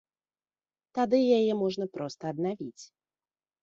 Тады яе можна проста аднавіць.